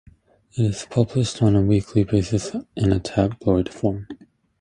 It is published on a weekly basis in a tabloid form.